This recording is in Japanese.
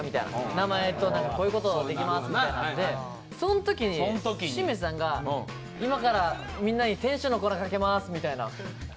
名前と「こういうことできます」みたいなんでそん時にしめさんが「今からみんなに天使の粉かけます」みたいな。